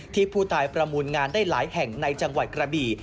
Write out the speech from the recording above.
ที่ผู้ตายประมูลงานได้หลายแห่งในจังหวัดกระบี่